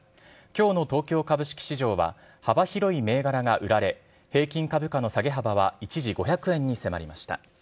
きょうの東京株式市場は、幅広い銘柄が売られ、平均株価の下げ幅は一時５００円に迫りました。